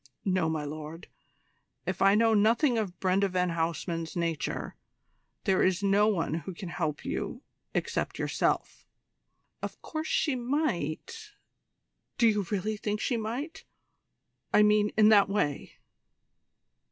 No, my lord: if I know anything of Brenda van Huysman's nature, there is no one who can help you except yourself. Of course she might " "Do you really think she might I mean in that way?"